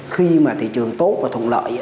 khi mà thị trường tốt và thuận lợi